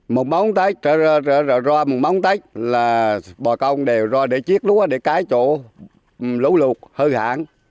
một bóng tết rõ rõ rõ một bóng tết là bò cao đều ro để chiếc lúa để cái chỗ lũ lụt hư hỏng